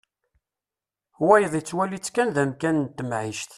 Wayeḍ yettwali-tt kan d amkan n temɛict.